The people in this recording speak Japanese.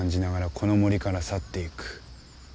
この森から去っていく。